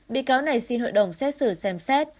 bị cáo này xin hội đồng xét xử xem xét